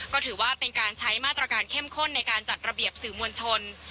ก็ถือว่าเป็นการใช้มาตรการเข้มข้นในการจัดระเบียบสื่อมวลชน